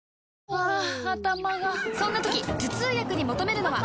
ハァ頭がそんな時頭痛薬に求めるのは？